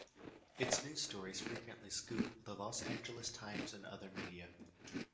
Its news stories frequently scoop the "Los Angeles Times" and other media.